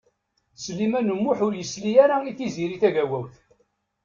Sliman U Muḥ ur yesli ara i Tiziri Tagawawt.